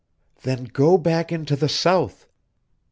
"Then go back into the South.